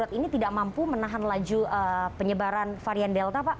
ini tidak mampu menahan laju penyebaran varian delta pak